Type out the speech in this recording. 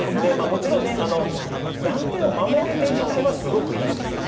もちろんね断点を守る手自体はすごくいいんですよ。